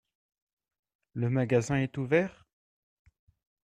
Le magasin est ouvert ?